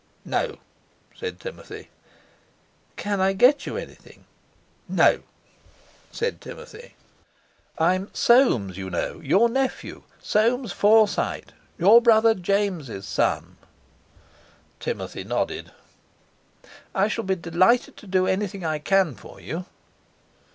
"No," said Timothy. "Can I get you anything?" "No," said Timothy. "I'm Soames, you know; your nephew, Soames Forsyte. Your brother James' son." Timothy nodded. "I shall be delighted to do anything I can for you."